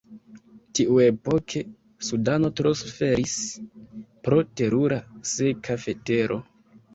Tiuepoke, Sudano tro suferis pro terura seka vetero.